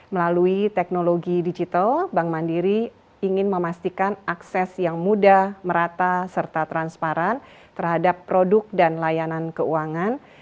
melalui teknologi digital bank mandiri ingin memastikan akses yang mudah merata serta transparan terhadap produk dan layanan keuangan